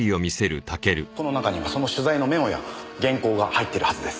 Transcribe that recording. この中にはその取材のメモや原稿が入っているはずです。